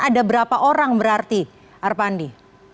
ada berapa orang berarti arpandi